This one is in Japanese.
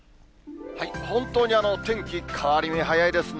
本当に天気、変わり目、早いですね。